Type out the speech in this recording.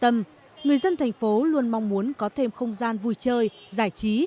trong năm người dân thành phố luôn mong muốn có thêm không gian vui chơi giải trí